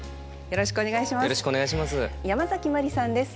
よろしくお願いします。